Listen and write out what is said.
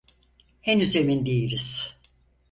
Henüz emin değiliz.